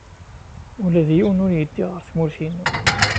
Ula d yiwen ur yeddi ɣer tmurt-inu.